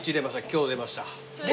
今日出ました。